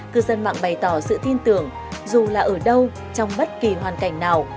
cư dân mạng bày tỏ sự tin tưởng dù là ở đâu trong bất kỳ hoàn cảnh nào